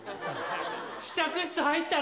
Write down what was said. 試着室入ったら？